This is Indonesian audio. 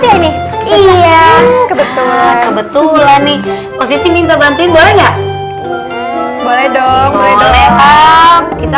ini iya kebetulan kebetulan nih positi minta bantuin boleh nggak boleh dong boleh dong kita